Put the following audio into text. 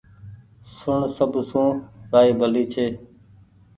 سڻ سب سون رآئي ڀلي ڇي